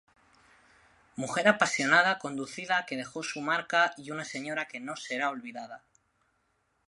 Mujer apasionada conducida que dejó su marca y una señora que no será olvidada!.